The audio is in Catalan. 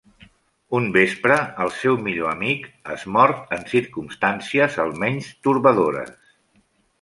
Un vespre, el seu millor amic és mort en circumstàncies almenys torbadores.